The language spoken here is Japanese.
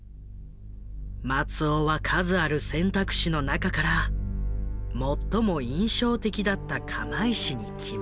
松尾は数ある選択肢の中から最も印象的だった釜石に決めた。